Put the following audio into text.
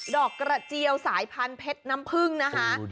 อกกระเจียวสายพันธุเพชรน้ำพึ่งนะคะ